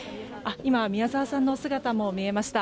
宮沢さんの姿も見えました。